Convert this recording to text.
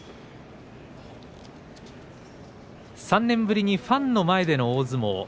３年ぶりにファンの前での大相撲。